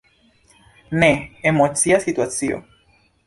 Ne, emocia situacio!